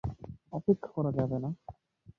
অপেক্ষা করা যাবে না।